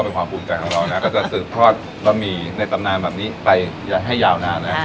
เป็นความภูมิใจของเรานะก็จะสืบทอดบะหมี่ในตำนานแบบนี้ไปให้ยาวนานนะ